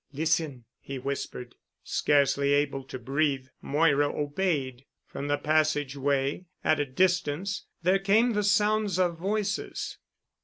"Listen," he whispered. Scarcely able to breathe, Moira obeyed. From the passage way at a distance, there came the sounds of voices.